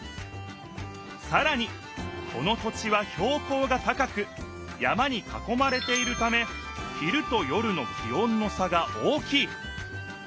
さらにこの土地はひょう高が高く山にかこまれているため昼と夜の気温の差が大きい。